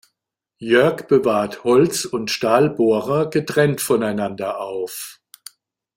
Jörg bewahrt Holz- und Stahlbohrer getrennt voneinander auf.